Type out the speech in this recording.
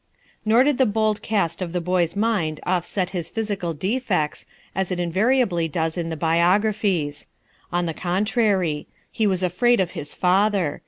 Nor did the bold cast of the boy's mind offset his physical defects, as it invariably does in the biographies. On the contrary. He was afraid of his father.